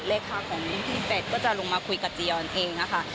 เลขาของพี่เป็ดก็จะลงมาคุยกับจียอนเองนะคะ